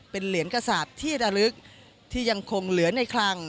เป็นเหรียญกษาปที่ระลึกที่ยังคงเหลือในคลัง